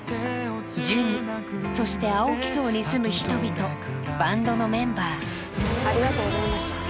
ジュニそして青木荘に住む人々バンドのメンバーありがとうございました。